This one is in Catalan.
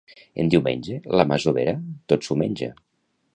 En diumenge, la masovera tot s'ho menja.